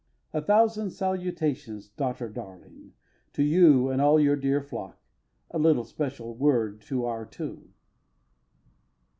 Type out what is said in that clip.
A thousand salutations, daughter darling, to you and all your dear flock (a little special word to our two).